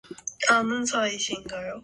그는 말만 해도 좋은지 방긋방긋 웃는다.